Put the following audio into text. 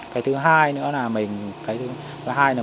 cái thứ hai nữa là